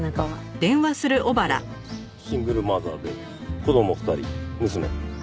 うんシングルマザーで子供２人娘。